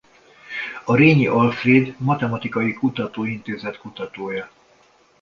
A Rényi Alfréd Matematikai Kutatóintézet kutatója.